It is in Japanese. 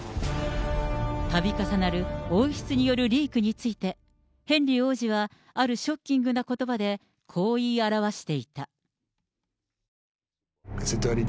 たび重なる王室によるリークについて、ヘンリー王子はあるショッキングなことばで、こう言い表していた。